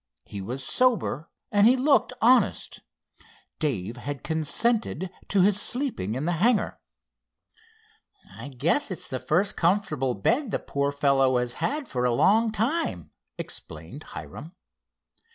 He was sober, and he looked honest, Dave had consented to his sleeping in the hangar. "I guess it's the first comfortable bed the poor fellow has had for a long time," explained Hiram.